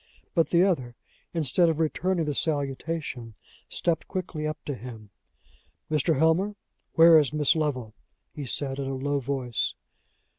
But the other, instead of returning the salutation, stepped quickly up to him. "Mr. Helmer, where is Miss Lovel?" he said, in a low voice.